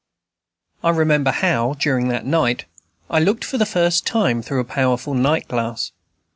I remember how, during that night, I looked for the first time through a powerful night glass.